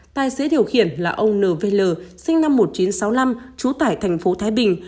tài xế điều khiển là ông n v l sinh năm một nghìn chín trăm sáu mươi năm trú tại tp thái bình